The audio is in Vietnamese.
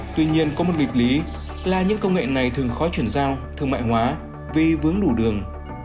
tuy nhiên có một nghịch lý là những công nghệ này thường khó chuyển giao thương mại hóa vì vướng đủ đường